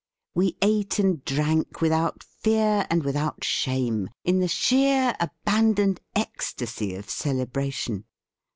We ate and drank without fear and without shame, in the sheer, abandoned ecstasy of cele bration.